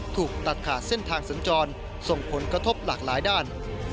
ถูกตัดขาดเส้นทางสัญจรส่งผลกระทบหลากหลายด้าน